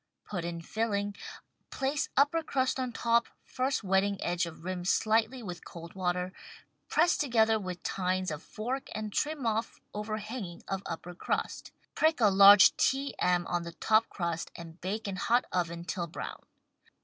Put in filling, place upper crust on top, first wetting edge of rim slightly with cold water, press together with tines of fork and trim off overhanging of upper crust. Prick a large T. M. on the top crust and bake in hot oven till brown.